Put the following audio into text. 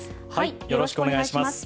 よろしくお願いします。